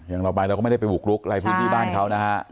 อย่างเราไปเราก็ไม่ได้ไปบุกรุกอะไรพื้นที่บ้านเขานะฮะ